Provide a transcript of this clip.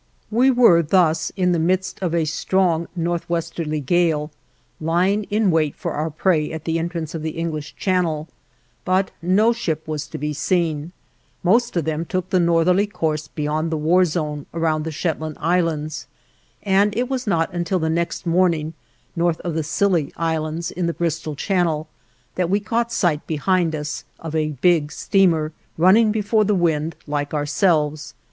We were thus, in the midst of a strong southwesterly gale, lying in wait for our prey at the entrance of the English Channel, but no ship was to be seen; most of them took the northerly course beyond the war zone, around the Shetland Islands, and it was not until the next morning, north of the Scilly Isles, in the Bristol Channel, that we caught sight behind us of a big steamer, running before the wind, like ourselves.